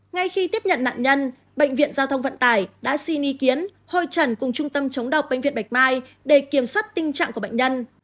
ngay khi tiếp nhận nạn nhân bệnh viện giao thông vận tải đã xin ý kiến hội trần cùng trung tâm chống độc bệnh viện bạch mai để kiểm soát tình trạng của bệnh nhân